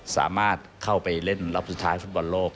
สามารถเข้าไปเล่นรอบสุดท้ายฟุตบอลโลก